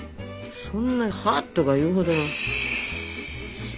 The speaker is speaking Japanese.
そんなに「はっ」とか言うほどの。